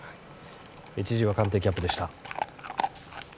千々岩官邸キャップでした。